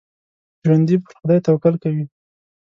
ژوندي پر خدای توکل کوي